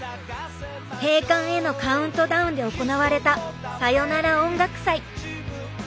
閉館へのカウントダウンで行われた「さよなら音楽祭」。